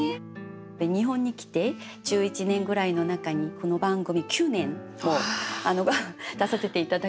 日本に来て１１年ぐらいの中にこの番組９年も出させて頂きまして。